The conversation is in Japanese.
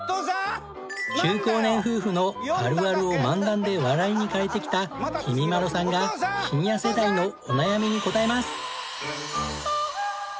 中高年夫婦のあるあるを漫談で笑いに変えてきたきみまろさんがシニア世代のお悩みに答えます。